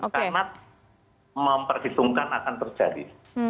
karena memperhitungkan akan terjadi